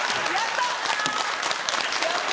やった！